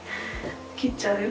切っちゃうよ？